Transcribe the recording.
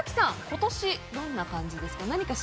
今年、どんな感じですか？